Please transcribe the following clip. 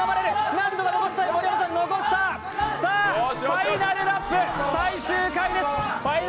ファイナルラップ最終回です